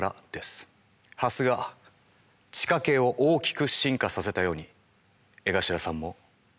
ハスが地下茎を大きく進化させたように江頭さんも。